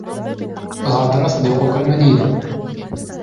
غادر صديقك المدينة.